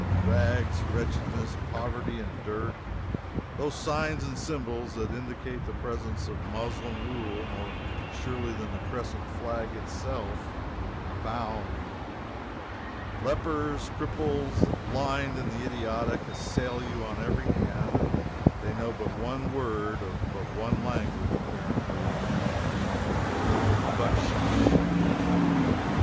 Rags, wretchedness, poverty and dirt, those signs and symbols that indicate the presence of Moslem rule more surely than the crescent flag itself, abound. Lepers, cripples, the blind, and the idiotic, assail you on every hand, and they know but one word of but one language apparently the eternal "bucksheesh."